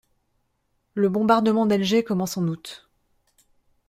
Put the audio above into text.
Le bombardement d'Alger commence en août.